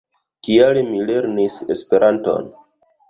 Kial mi lernis Esperanton?